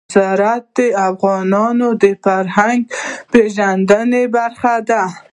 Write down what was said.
زراعت د افغانانو د فرهنګي پیژندنې برخه ده.